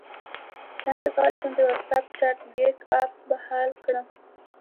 څنګه کولی شم د واټساپ چټ بیک اپ بحال کړم